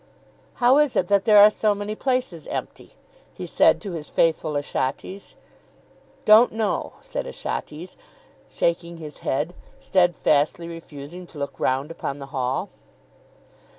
"How is it that there are so many places empty?" he said to his faithful Achates. "Don't know," said Achates, shaking his head, steadfastly refusing to look round upon the hall.